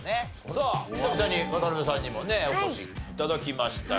さあ久々に渡邉さんにもねお越し頂きましたが。